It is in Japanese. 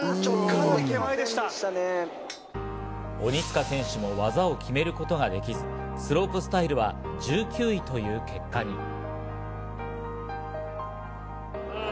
鬼塚選手の技を決めることができず、スロープスタイルは１９位という結果に。